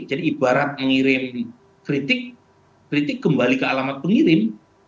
jadi ibarat mengirim kritik kritik kembali ke alamat pengirim